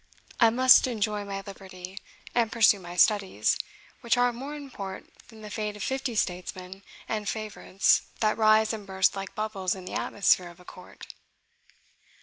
I must enjoy my liberty, and pursue my studies, which are of more import than the fate of fifty statesmen and favourites that rise and burst like bubbles in the atmosphere of a court."